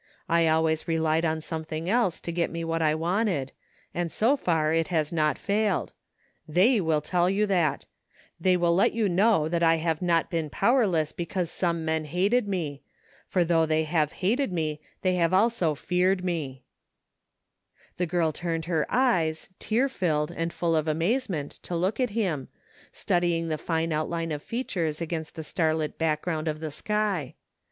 I always relied on something else to get me what I wanted, and so far it has not failed. They will tell you that They will let you know that I have not been powerless because some men hated me — for 83 THE FINDING OF JASPER HOLT, though they have hated me they have also feared me 4€ The girl turned her eyes, tear filled, and full of amazement, to look at him, studying the fine outline of features against the starlit background of the sky.